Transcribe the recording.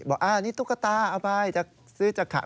บอกอันนี้ตุ๊กตาเอาไปจะซื้อจะขาย